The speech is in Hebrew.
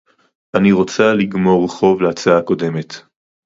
אני רוצה לגמור חוב להצעה הקודמת